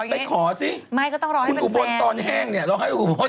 ไปขออย่างนี้ไม่ก็ต้องรอให้เป็นแฟนเป็นแฟนก็ต้องให้สิ